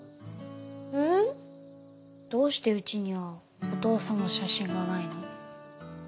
うん？どうしてうちにはお父さんの写真がないの？